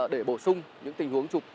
để bổ sung những tình huống chụp